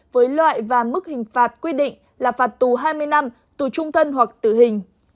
với loại và mức hình phạt quy định là phạt tù hai mươi năm tù trung thân hoặc tử hình